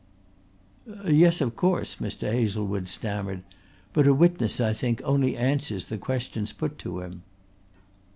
"Yes, of course," Mr. Hazlewood stammered, "but a witness, I think, only answers the questions put to him."